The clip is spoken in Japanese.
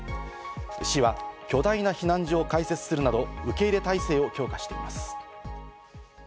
市は巨大な避難所を開設するなど、受け入れ態勢を強化しています。